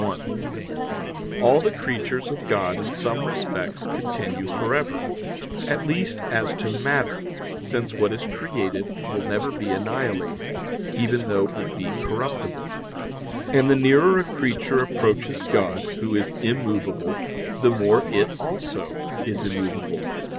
1: All the creatures of God in some respects continue for ever, at least as to matter, since what is created will never be annihilated, even though it be corruptible. And the nearer a creature approaches God, Who is immovable, the more it also is immovable.